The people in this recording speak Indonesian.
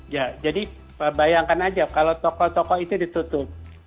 ya jadi bayangkan aja kalau toko toko itu ditutup